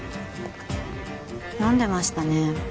飲んでましたね